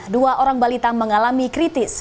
dua orang balita mengalami kritis